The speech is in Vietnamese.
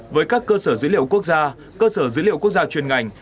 với các cơ sở dữ liệu quốc gia cơ sở dữ liệu quốc gia chuyên ngành